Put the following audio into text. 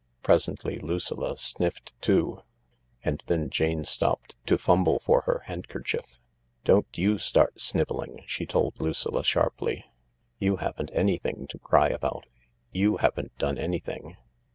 Presently Lucilla sniffed too. And then Jane stopped to fumble for her handkerchief. " Don't you start snivelling !" she told Lucilla sharply, "You haven't anything to cry about. You haven't done anything.